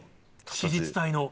子実体の。